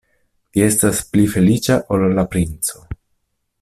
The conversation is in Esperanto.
Vi estas pli feliĉa ol la princo.